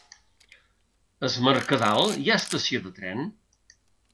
A Es Mercadal hi ha estació de tren?